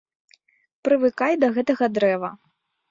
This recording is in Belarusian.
Прывыкай да гэтага дрэва.